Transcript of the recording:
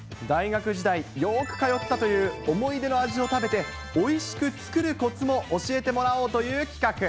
大学時代、よく通ったという思い出の味を食べて、おいしく作るこつも教えてもらおうという企画。